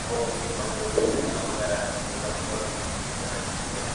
yote niliyoamuru ninyi na tazama mimi nipo pamoja nanyi siku zote